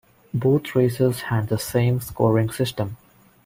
Both races had the same scoring system.